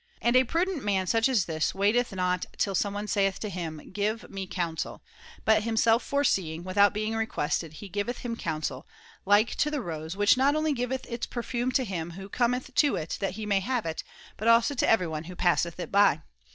And a prudent man such as this waiteth not till someone saith to him :' Give me counsel '; but himself foreseeing, without being XXVII. THE FOURTH TREATISE 367 requested he giveth him counsel, like to the rose justice, which not only giveth its perfume to him who Cometh to it that he may have it, but also to everyone who passeth it by.